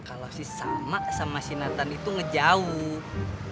kalau si salma sama si nathan itu ngejauh